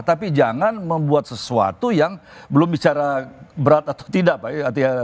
tapi jangan membuat sesuatu yang belum bicara berat atau tidak pak